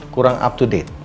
kurang up to date